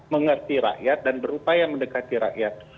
mengerti rakyat dan berupaya mendekati rakyat